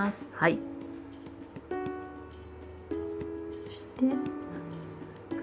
そして。